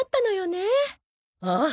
ああ